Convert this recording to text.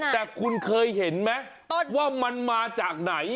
แต่คุณเคยเห็นไหมว่ามันมาจากไหน